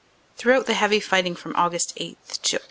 Throughout the heavy fighting from Aug. 8 to Oct.